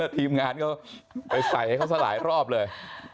ทีมงานเขาไปใส่ให้เขาซะหลายรอบเลย